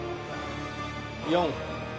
４。